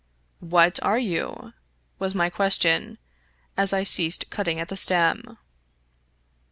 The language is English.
What are you ?" was my question, as I ceased cut ting at the stem.